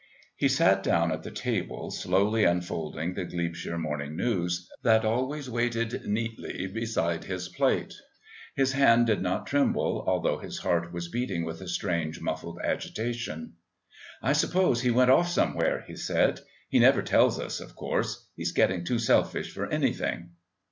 He sat down at the table, slowly unfolding the Glebeshire Morning News that always waited, neatly, beside his plate. His hand did not tremble, although his heart was beating with a strange, muffled agitation. "I suppose he went off somewhere," he said. "He never tells us, of course. He's getting too selfish for anything."